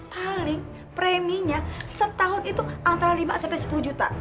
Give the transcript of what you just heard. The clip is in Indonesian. paling preminya setahun itu antara lima sampai sepuluh juta